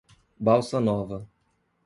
Balsa Nova